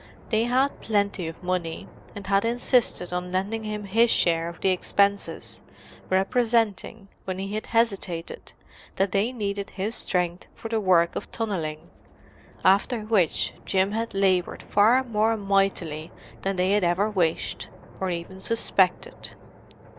They had plenty of money, and had insisted on lending him his share of the expenses, representing, when he had hesitated, that they needed his strength for the work of tunnelling—after which Jim had laboured far more mightily than they had ever wished, or even suspected.